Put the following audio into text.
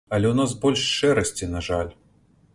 Але ў нас больш шэрасці, на жаль.